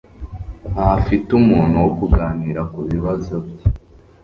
ntafite umuntu wo kuganira kubibazo bye.